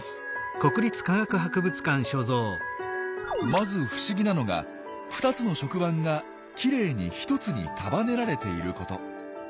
まず不思議なのが２つの触腕がきれいに１つに束ねられていること。